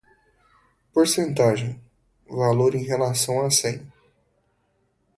Porcentagem: Valor em relação a cem.